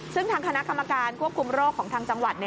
ซึ่งทางคณะกรรมการควบคุมโรคของทางจังหวัด